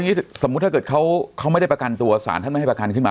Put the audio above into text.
สมมุติถ้าเกิดเขาไม่ได้ประกันตัวสารท่านไม่ให้ประกันขึ้นมา